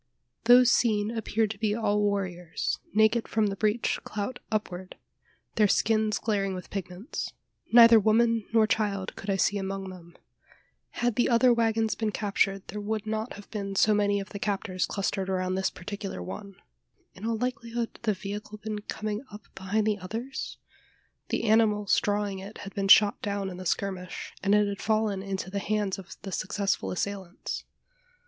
Those seen appeared to be all warriors, naked from the breech clout upward, their skins glaring with pigments. Neither woman nor child could I see among them. Had the other waggons been captured, there would not have been so many of the captors clustered around this particular one. In all likelihood, the vehicle had been coming up behind the others? The animals drawing it had been shot down in the skirmish, and it had fallen into the hands of the successful assailants?